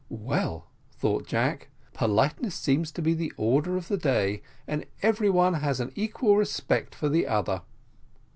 "Well," thought Jack, "politeness seems to be the order of the day, and every one has an equal respect for the other."